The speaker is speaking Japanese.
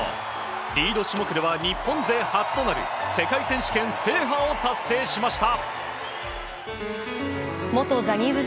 リード種目では日本勢初となる世界選手権制覇を達成しました。